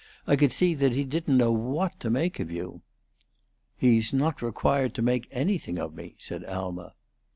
I could see that he didn't know what to make of you." "He's not required to make anything of me," said Alma.